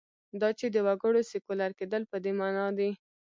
دا چې د وګړو سیکولر کېدل په دې معنا دي.